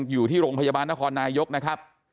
อยู่ที่โรงพยาบาลนครนายกนะครับ